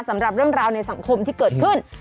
สำหรับเรื่องราวในสังคมที่เกิดขึ้น